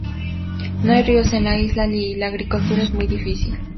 No hay ríos en la isla, y la agricultura es muy difícil.